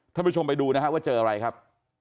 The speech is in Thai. ท่านผู้ชมไปดูนะฮะว่าเจออะไรครับ